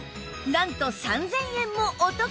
なんと３０００円もお得！